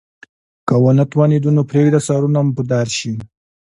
که ونه توانیدو نو پریږده سرونه مو په دار شي.